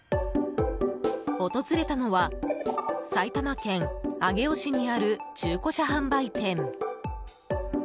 訪れたのは埼玉県上尾市にある中古車販売店。